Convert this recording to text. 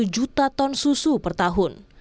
satu juta ton susu per tahun